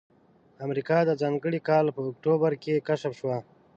امریکا د ځانګړي کال په اکتوبر کې کشف شوه.